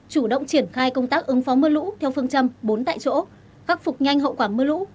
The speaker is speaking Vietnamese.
chủ động triển khai công tác ứng phó mưa lũ theo phương châm bốn tại chỗ khắc phục nhanh hậu quả mưa lũ